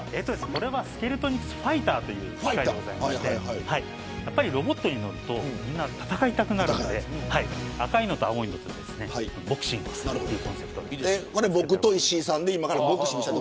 これはスケルトニクス・ファイターというモデルでございましてやっぱりロボットに乗るとみんな戦いたくなるので赤いのと青いのとでボクシングをするというコンセプトで作りました。